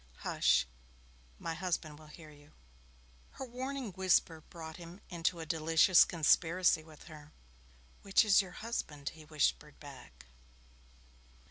'Hush! My husband will hear you.' Her warning whisper brought him into a delicious conspiracy with her. 'Which is your husband?' he whispered back.